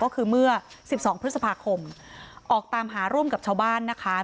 ก็คือเมื่อ๑๒พฤษภาคมออกตามหาร่วมกับชาวบ้านนะคะ